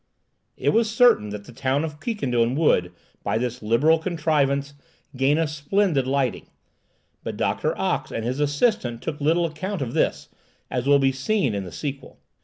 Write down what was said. It was certain that the town of Quiquendone would, by this liberal contrivance, gain a splendid lighting; but Doctor Ox and his assistant took little account of this, as will be seen in the sequel.